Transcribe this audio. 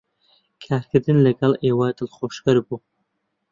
کارکردن لەگەڵ ئێوە دڵخۆشکەر بوو.